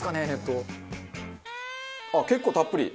あっ結構たっぷり。